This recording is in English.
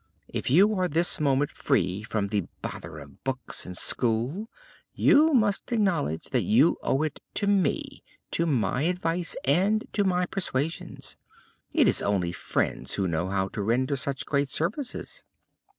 If you are this moment free from the bother of books and school, you must acknowledge that you owe it to me, to my advice, and to my persuasions. It is only friends who know how to render such great services."